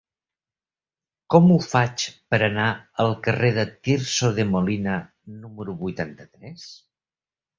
Com ho faig per anar al carrer de Tirso de Molina número vuitanta-tres?